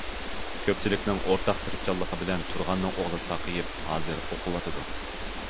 كۆپچىلىكنىڭ ئورتاق تىرىشچانلىقى بىلەن تۇرغاننىڭ ئوغلى ساقىيىپ، ھازىر ئوقۇۋاتىدۇ.